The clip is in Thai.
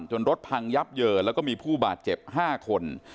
จนรถพังยับเยอะและมีผู้บาดเจ็บ๕คน